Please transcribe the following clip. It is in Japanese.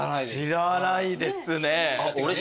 知らないですね。